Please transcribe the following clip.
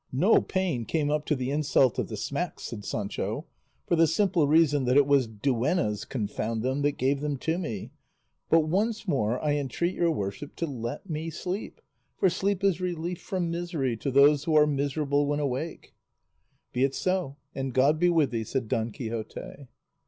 "No pain came up to the insult of the smacks," said Sancho, "for the simple reason that it was duennas, confound them, that gave them to me; but once more I entreat your worship to let me sleep, for sleep is relief from misery to those who are miserable when awake." "Be it so, and God be with thee," said Don Quixote.